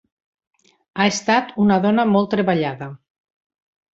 Ha estat una dona molt treballada.